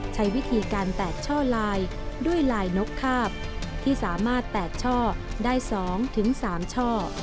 ใช้วิธีการแตกช่อลายด้วยลายนกคาบที่สามารถแตกช่อได้๒๓ช่อ